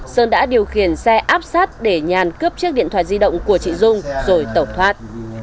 sơn đã điều khiển xe áp sát để nhàn cướp chiếc điện thoại di động của chị dung rồi tẩu thoát